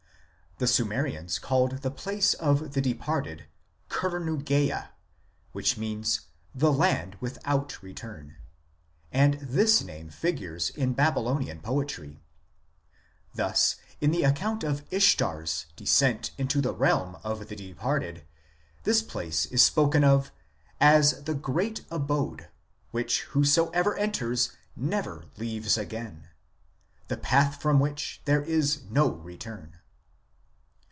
The Sumerians called the place of the departed Kurnugea, which means " the land without return," and this name figures in Babylonian poetry. 2 Thus, in the account of Ishtar s descent into the realm of the departed this place is spoken of as " the abode which whosoever enters never leaves again ; the path from which there is no return."